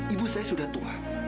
ibu saya sudah tua